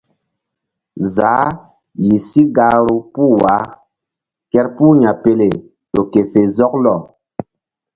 Zaah yih si gahru puh wah kerpuh Yapele ƴo ke fe zɔklɔ.